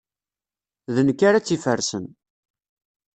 D nekk ara tt-ifersen.